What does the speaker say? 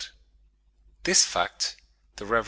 This fact, the Rev. L.